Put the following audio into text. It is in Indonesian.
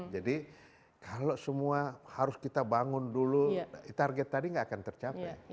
jadi kalau semua harus kita bangun dulu target tadi tidak akan tercapai